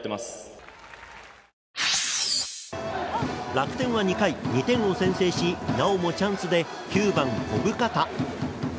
楽天は２回、２点を先制しなおもチャンスで９番、小深田。